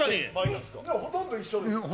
ほとんど一緒。